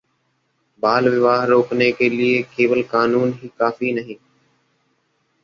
'बाल विवाह रोकने के लिए केवल कानून ही काफी नहीं’